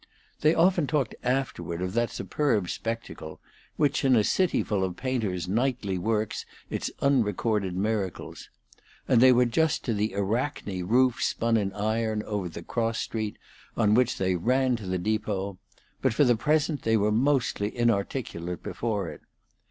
They often talked afterward of the superb spectacle, which in a city full of painters nightly works its unrecorded miracles; and they were just to the Arachne roof spun in iron over the cross street on which they ran to the depot; but for the present they were mostly inarticulate before it.